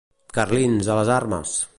Carlins, a les armes!